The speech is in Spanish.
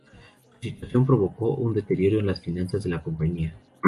Esta situación provocó un deterioro en las finanzas de la compañía.